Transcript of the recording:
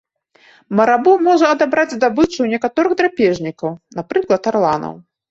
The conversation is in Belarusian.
Марабу можа адабраць здабычу ў некаторых драпежнікаў, напрыклад, арланаў.